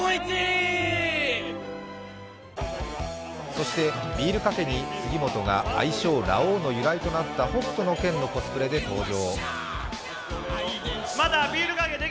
そしてビールかけに杉本が愛称・ラオウの由来となった「北斗の拳」のコスプレで登場。